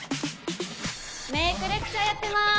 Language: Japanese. メイクレクチャーやってます